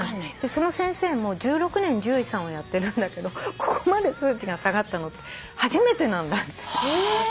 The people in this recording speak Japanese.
その先生も１６年獣医さんをやってるんだけどここまで数値が下がったの初めてなんだって。